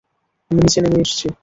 আমি নিচে নেমে আসছি!